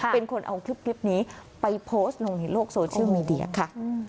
เป็นคนเอาคลิปนี้ไปโพสต์ลงในโลกโซเชียลมีเดียค่ะ